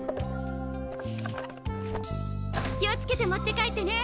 気を付けて持って帰ってね。